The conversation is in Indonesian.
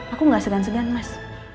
aku gak segan segan mas